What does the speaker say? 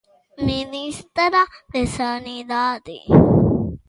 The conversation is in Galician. Ministra de Sanidade.